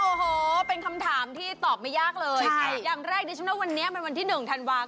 โอ้โหเป็นคำถามที่ตอบไม่ยากเลยใช่อย่างแรกดิฉันว่าวันนี้มันวันที่หนึ่งธันวาคม